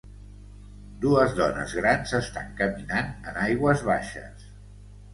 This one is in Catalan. Dues dones grans estan caminant en aigües baixes.